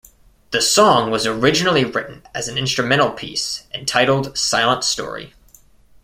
The song was originally written as an instrumental piece and titled Silent Story.